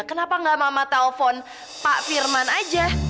kenapa gak mama telpon pak firman aja